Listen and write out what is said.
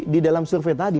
di dalam survei tadi